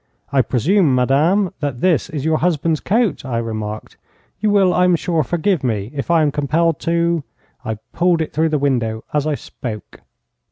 'I presume, madame, that this is your husband's coat,' I remarked. 'You will, I am sure, forgive me, if I am compelled to ' I pulled it through the window as I spoke.